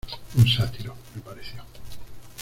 Un sátiro, me pareció.